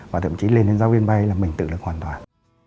và thậm chí lên đến giáo viên bay là mình tự lực hoàn toàn